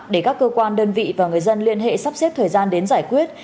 để các cơ quan đơn vị và người dân liên hệ sắp xếp thời gian đến giải quyết